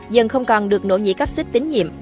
dần không còn được nội nhị cáp xích tín nhiệm